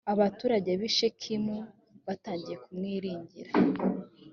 abaturage bi shekemu batangiye kumwiringira.